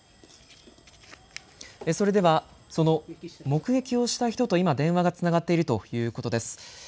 それでは、その目撃をした人と今、電話がつながっているということです。